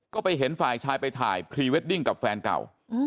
ก็ไปเห็นฝ่ายชายไปถ่ายพรีเวดดิ้งกับแฟนเก่า